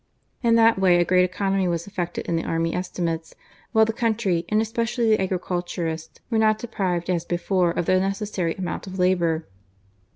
In that way a great economy was effected in the Army Estimates, while the country, and especially the agriculturists, were not deprived, as before, of the necessary amount of labour.